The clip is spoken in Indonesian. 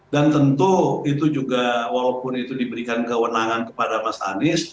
dan tentu itu juga walaupun itu diberikan kewenangan kepada mas anies